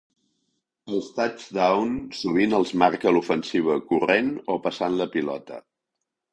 Els "touchdown" sovint els marca l'ofensiva corrent o passant la pilota.